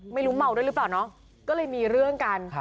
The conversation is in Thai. ไม่รู้เมาด้วยหรือเปล่าเนาะก็เลยมีเรื่องกัน